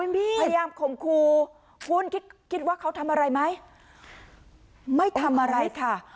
พยายามขมคูคุณคิดว่าเขาทำอะไรมั้ยไม่ทำอะไรโอเคค่ะ